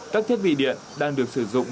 các thiết bị điện đang được sử dụng